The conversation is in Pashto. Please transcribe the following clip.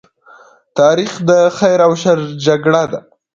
تاریخ د خیر او شر جګړه ده.